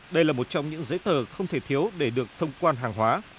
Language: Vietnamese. đây là một trong những giấy tờ không thể thiếu để được thông quan hàng hóa